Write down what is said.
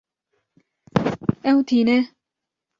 Ew tîne